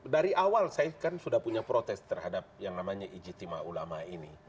dari awal saya kan sudah punya protes terhadap yang namanya ijtima ulama ini